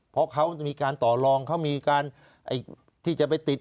เพราะเขาจะมีการต่อลองเขามีการที่จะไปติด